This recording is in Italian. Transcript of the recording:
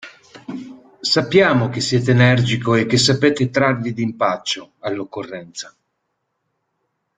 Sappiamo che siete energico e che sapete trarvi d'impaccio, all'occorrenza.